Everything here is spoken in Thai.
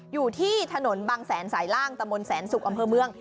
อยู่ที่ถนนบางแสนสายล่างตะมนต์แสนสุกอำเภอเมือง